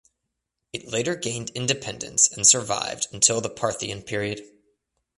It later gained independence and survived until the Parthian period.